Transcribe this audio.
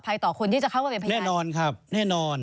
ภูมิภาค